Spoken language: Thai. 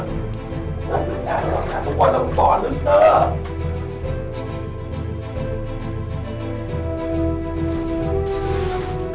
นั่นหนึ่งน่ะทุกคนเราของบ่อลึก